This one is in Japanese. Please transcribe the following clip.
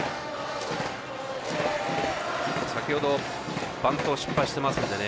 先ほどバントを失敗してますのでね。